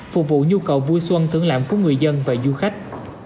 phục vụ nhu cầu vui xuân thưởng lãm của người dân và du khách